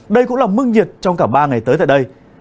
đây cũng là mức nhiệt trong cả ba ngày tới tại đây